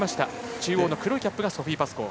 中央の黒いキャップがソフィー・パスコー。